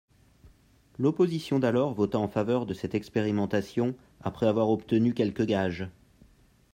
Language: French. L’opposition d’alors vota en faveur de cette expérimentation après avoir obtenu quelques gages.